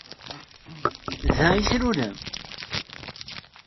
Da ay tlulem?